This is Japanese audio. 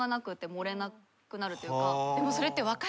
でもそれって。